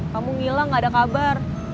kamu ngilang gak ada kabar